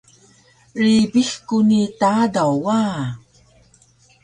Ribix ku ni Tadaw wa!